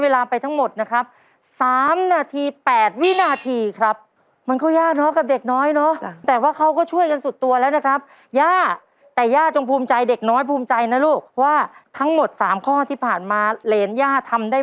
ได้ทำได้ทำได้ทำได้ทำได้ทำได้